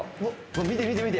見て見て見て！